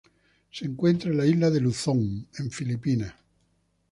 Se encuentra en la isla de Luzón en Filipinas.